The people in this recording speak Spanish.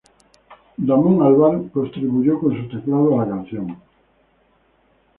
Damon Albarn contribuyó con sus teclados a la canción.